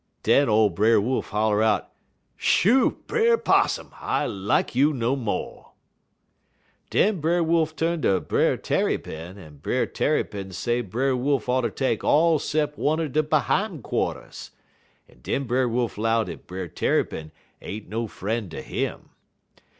"Den ole Brer Wolf holler out: "'Shoo, Brer 'Possum! I like you no mo'.' "Den Brer Wolf tu'n to Brer Tarrypin, en Brer Tarrypin say Brer Wolf oughter take all 'cep' one er de behime quarters, en den Brer Wolf 'low dat Brer Tarrypin ain't no fr'en' ter him.